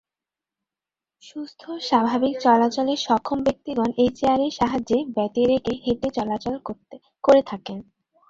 সুস্থ, স্বাভাবিক, চলাচলে সক্ষম ব্যক্তিগণ এ চেয়ারের সাহায্য ব্যতিরেকে হেঁটে চলাচল করে থাকেন।